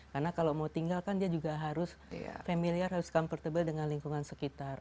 karena kalau mau tinggalkan dia juga harus familiar harus comfortable dengan lingkungan sekitar